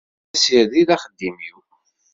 D asired i d axeddim-w.